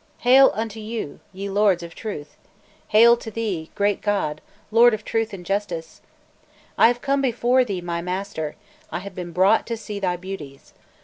"Hail unto you, ye lords of Truth! hail to thee, great god, lord of Truth and Justice! I have come before thee, my master; I have been brought to see thy beauties.